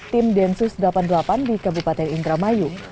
tim densus delapan puluh delapan di kabupaten indramayu